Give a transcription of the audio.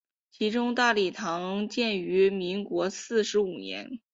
其中大礼堂建于民国四十五年。